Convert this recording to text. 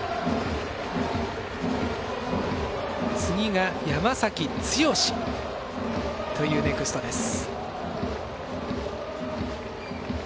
次が、山崎剛というネクストです。